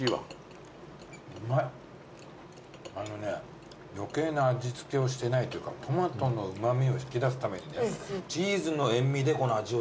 あのね余計な味付けをしてないというかトマトのうま味を引き出すためにチーズの塩味で味を付けてる。